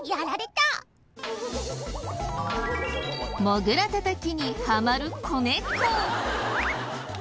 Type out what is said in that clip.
モグラたたきにハマる子猫。